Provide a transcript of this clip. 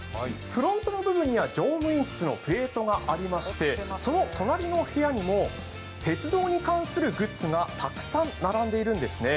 フロント部分の上部には乗務員室のプレートがありまして、その隣の部屋にも鉄道に関するグッズがたくさん並んでいるんですね。